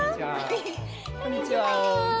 こんにちは。